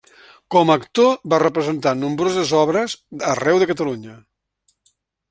Com a actor va representar nombroses obres arreu de Catalunya.